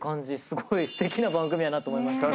すごい素敵な番組やなと思いました